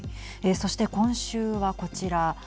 そして、今週はこちら。